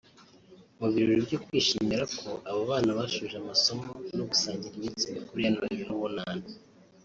Mu birori byo kwishimira ko aba bana bashoje amasomo no gusangira iminsi mikuru ya Noheri n’Ubunani